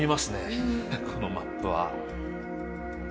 このマップは。